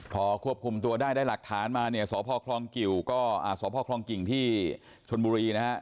พอควบคุมตัวได้ได้หลักฐานมาเนี่ยสพครองกิ่งที่ชนบุรีนะฮะ